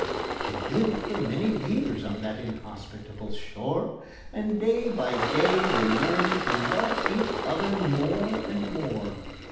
They lived for many years on that inhospitable shore, And day by day they learned to love each other more and more.